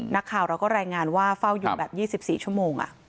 นักข่าวเราก็รายงานว่าเฝ้าอยู่แบบ๒๔ชั่วโมง